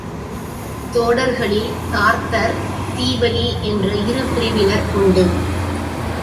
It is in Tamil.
தோடர்களில் தார்த்தர், தீவலி என்ற இரு பிரிவினர் உண்டு.